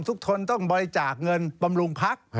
ทุกคนต้องบริจาคเงินบำรุงพัก